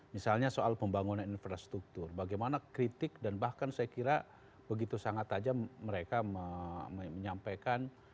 misalnya soal pembangunan infrastruktur bagaimana kritik dan bahkan saya kira begitu sangat aja mereka menyampaikan